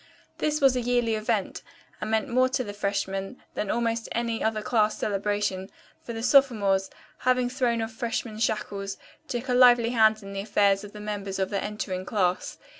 This was a yearly event, and meant more to the freshmen than almost any other class celebration, for the sophomores, having thrown off freshman shackles, took a lively hand in the affairs of the members of the entering class.